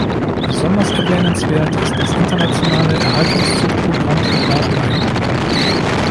Besonders erwähnenswert ist das internationale Erhaltungszuchtprogramm für Bartgeier.